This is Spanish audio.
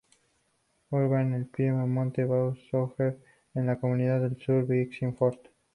Urbain, al pie de Monte Beausejour en la comunidad del sur de Vieux Fort.